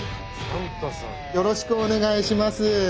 よろしくお願いします。